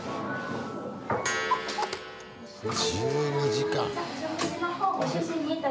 １２時間！